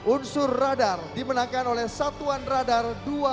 unsur radar dimenangkan oleh satuan radar dua tiga dua